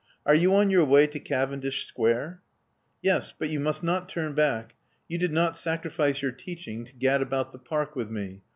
Are you on your way to Cavendish Square?" "Yes. But you must not turn back. You did not sacrifice your teaching to gad about the park with me.